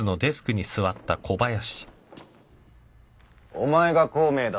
お前が孔明だ